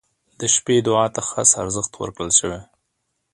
• د شپې دعا ته خاص ارزښت ورکړل شوی.